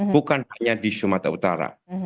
bukan hanya di sumatera utara